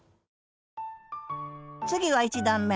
次は１段め。